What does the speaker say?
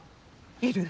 いる！？